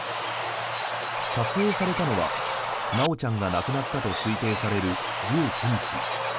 撮影されたのは修ちゃんが亡くなったと推定される１９日。